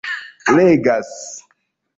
legas